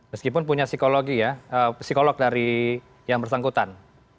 meskipun punya psikologi ya psikolog dari yang bersangkutan